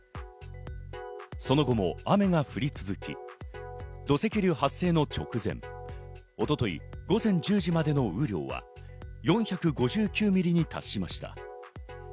その後も雨が降り続き、土石流発生の直前、一昨日、午前１０時までの雨量は４５９ミリに達しました。